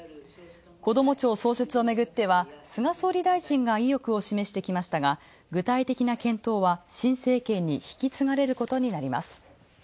こども庁創設をめぐり菅総理大臣が意欲を示してきましたが具体的な検討は新政権に引き継がれることになります。